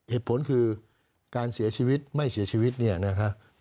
เหตุผลคือการเสียชีวิตไม่เสียชีวิตเนี่ยนะคะ